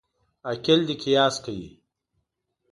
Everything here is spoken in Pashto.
عاقل دي قیاس کوي.